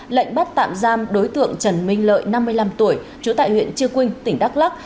lệnh bắt tạm giam đối tượng trần minh lợi năm mươi năm tuổi trú tại huyện chư quynh tỉnh đắk lắc